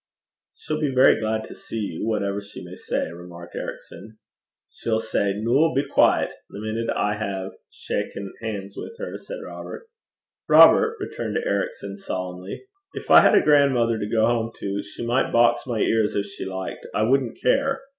'She'll be very glad to see you, whatever she may say,' remarked Ericson. 'She'll say "Noo, be dooce," the minute I hae shacken hands wi' her,' said Robert. 'Robert,' returned Ericson solemnly, 'if I had a grandmother to go home to, she might box my ears if she liked I wouldn't care.